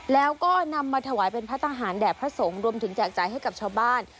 แล้วก็นำมาถวายเป็นพระทหารแด่พระสงฆ์รวมถึงแจกจ่ายให้กับชาวบ้าน